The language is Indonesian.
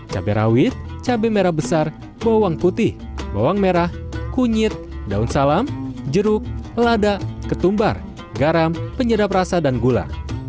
cabai rawit cabai merah besar bawang putih bawang merah kunyit daun salam jeruk lada ketumbar garam penyedap rasa dan gula